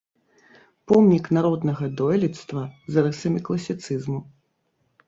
Помнік народнага дойлідства з рысамі класіцызму.